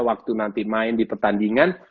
waktu nanti main di pertandingan